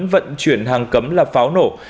vận chuyển hàng cấm là pháo nổ